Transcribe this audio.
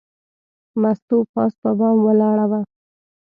مستو پاس په بام ولاړه وه.